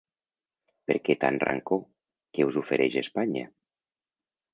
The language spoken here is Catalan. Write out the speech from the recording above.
Per què tant rancor, què us ofereix Espanya?